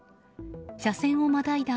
車線をまたいだ